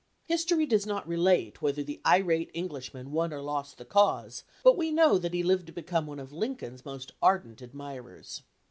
History does not relate whether the irate Eng lishman won or lost the cause, but we know that he lived to become one of Lincoln's most ardent admirers.